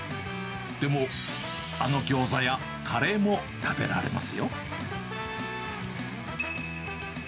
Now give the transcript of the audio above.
でも、あのギョーザやカレーも食べられますよ。